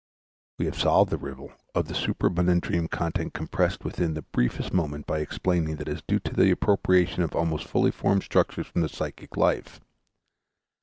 We have solved the riddle of the superabundant dream content compressed within the briefest moment by explaining that this is due to the appropriation of almost fully formed structures from the psychic life.